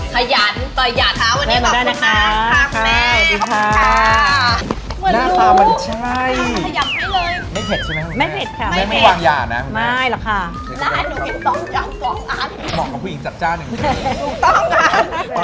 ขยันประหยัดเอ่อวันนี้ขอบคุณมากค่ะ